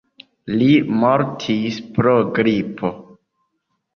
Li mortis pro gripo.